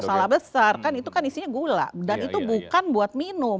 masalah besar kan itu kan isinya gula dan itu bukan buat minum